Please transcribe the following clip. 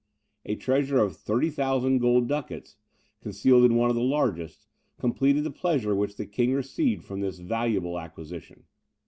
A treasure of 30,000 gold ducats, concealed in one of the largest, completed the pleasure which the King received from this valuable acquisition.